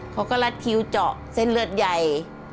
เขาก็รัดคิ้วเจาะเส้นเลือดใหญ่